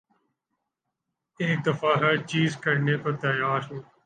ایک دفعہ ہر چیز کرنے کو تیار ہوں